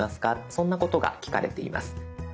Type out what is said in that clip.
そんなことが聞かれています。